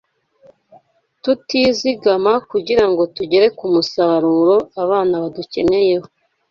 tutizigama kugira ngo tugere ku musaruro abana badukeneyeho